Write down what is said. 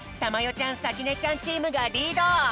ちゃんさきねちゃんチームがリード。